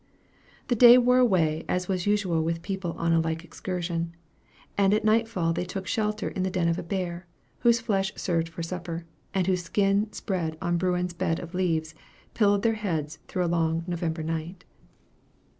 The day wore away as was usual with people on a like excursion; and at nightfall they took shelter in the den of a bear, whose flesh served for supper, and whose skin spread on bruin's bed of leaves, pillowed their heads through a long November night.